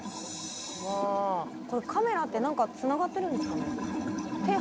これカメラって何かつながってるんですかね？